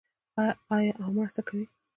آیا او مرسته کوي؟